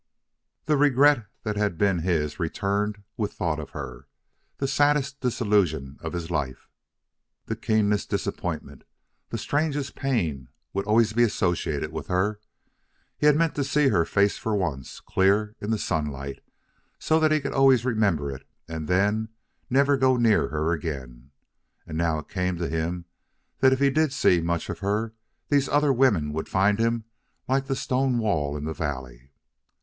The regret that had been his returned with thought of her. The saddest disillusion of his life, the keenest disappointment, the strangest pain, would always be associated with her. He had meant to see her face once, clear in the sunlight, so that he could always remember it, and then never go near her again. And now it came to him that if he did see much of her these other women would find him like the stone wall in the valley.